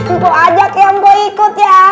mpok ajak ya mpok ikut ya